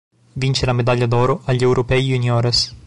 Vince la Medaglia d’Oro agli Europei Juniores.